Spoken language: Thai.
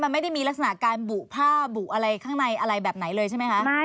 มันไม่ได้มีลักษณะการบุผ้าบุอะไรข้างในอะไรแบบไหนเลยใช่ไหมคะ